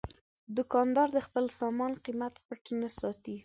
دوکاندار د خپل سامان قیمت پټ نه ساتي.